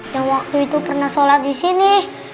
yang waktu itu pernah sholat di sini